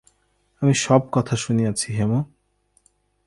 আমি সব কথা শুনিয়াছি হেম!